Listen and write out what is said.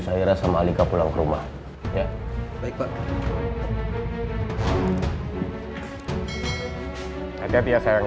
syairah sama alika pulang rumah ya baik baik hati hati ya sayang ya